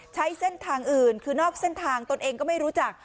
ใช้เส้นทางอื่นคือนอกเส้นทางตนเองก็ไม่รู้จัก